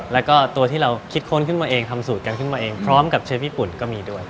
แล้วก็ตัวที่เราคิดค้นขึ้นมาเองทำสูตรกันขึ้นมาเองพร้อมกับเชฟญี่ปุ่นก็มีด้วย